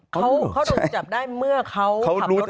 เขาถูกจับได้เมื่อเขาขับรถ